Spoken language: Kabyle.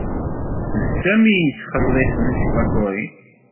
D Sami i yettxelliṣen tifatuṛin.